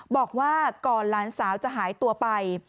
บอกว่าก่อนหลานสาวจะหายตัวไป